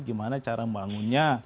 gimana cara membangunnya